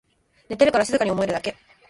寝てるから静かに思えるだけ